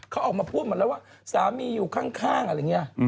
เค้าออกมาพูดมาแล้วว่าสามีอยู่ข้างอะไรเงี้ย